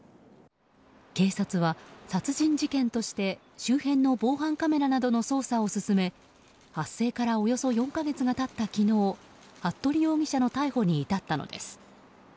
警察は殺人事件として周辺の防犯カメラなどの捜査を進め発生からおよそ４か月が経った昨日服部容疑者の逮捕に至ったのです。